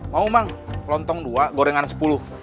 mau mang lontong dua gorengan sepuluh